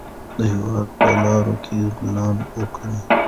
د هېواد په لارو کې ګلان وکرئ.